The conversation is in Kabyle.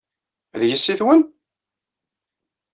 D yessi-twen?